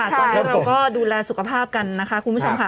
ตอนนี้เราก็ดูแลสุขภาพกันนะคะคุณผู้ชมค่ะ